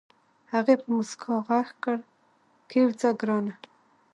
هغې په موسکا غږ کړ کېوځه ګرانه.